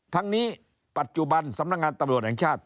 ทั้งนี้ปัจจุบันสำนักงานตำรวจแห่งชาติ